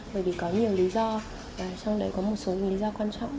bởi vì có nhiều lý do trong đấy có một số lý do quan trọng